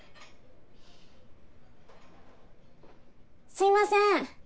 すみません。